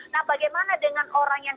nah bagaimana dengan orang yang